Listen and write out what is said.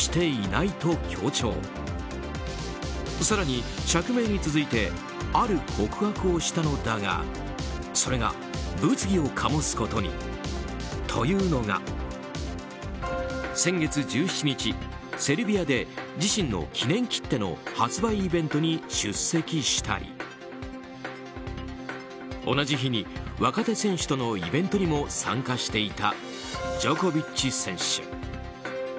更に釈明に続いてある告白をしたのだがそれが物議を醸すことに。というのが先月１７日、セルビアで自身の記念切手の発売イベントに出席したり同じ日に若手選手とのイベントにも参加していたジョコビッチ選手。